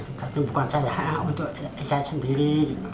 itu bukan hanya untuk saya sendiri